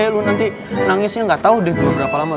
lo nanti nangisnya gak tau deh berapa lama